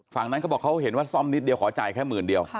ฝั่งนั้นเขาบอกเขาเห็นว่าซ่อมนิดเดียวขอจ่ายแค่หมื่นเดียว